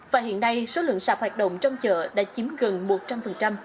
và hiện nay số lượng sạp hoạt động trong chợ đã chiếm gần một trăm linh